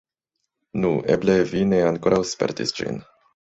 Nu, eble vi ne ankoraŭ spertis ĝin.